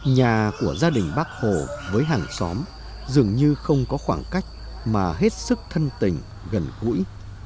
nhà của gia đình bác hồ với hàng xóm dường như không có khoảng cách mà hết sức thân tình gần gũi